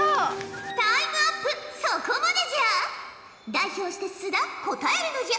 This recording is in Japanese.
代表して須田答えるのじゃ。